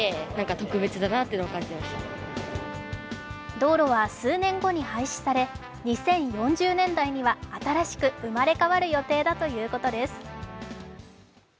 道路は数年後に廃止され、２０４０年代には新しく生まれ変わる予定だということです。